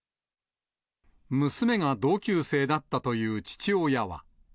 娘が同級生だったという父親は。